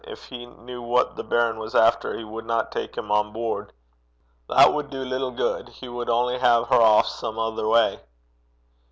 Gin he kent what the baron was efter, he wadna tak him on boord.' 'That wad do little guid. He wad only hae her aff some ither gait.'